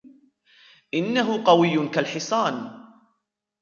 إنه قوي كالحصان.